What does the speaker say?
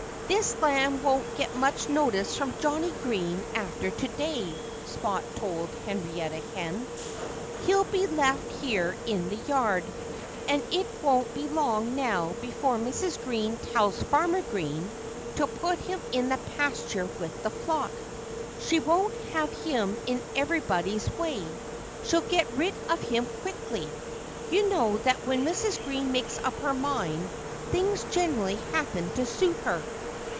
"This lamb won't get much notice from Johnnie Green after to day," Spot told Henrietta Hen. "He'll be left here in the yard. And it won't be long now before Mrs. Green tells Farmer Green to put him in the pasture with the flock. She won't have him in everybody's way. She'll get rid of him quickly. You know that when Mrs. Green makes up her mind, things generally happen to suit her."